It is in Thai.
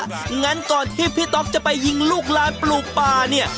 งั้นก่อนที่พี่ต๊อกจะไปยิงลูกลายปลูกป่าเนี่ย